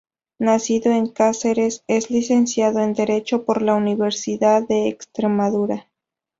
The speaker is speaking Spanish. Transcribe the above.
Nacido en Cáceres, es licenciado en Derecho, por la Universidad de Extremadura.